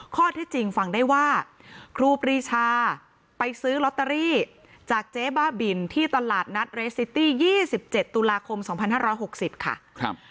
ข้อที่จริงฟังได้ว่าครูปรีชาไปซื้อล็อตเตอรี่จากเจ๊บ้าบิลที่ตลาดนัดเรซิตี้ยี่สิบเจ็ดตุลาคมสองพันห้าร้อยหกสิบค่ะครับ